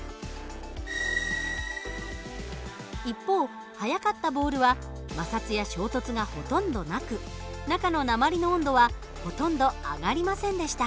一方速かったボールは摩擦や衝突がほとんどなく中の鉛の温度はほとんど上がりませんでした。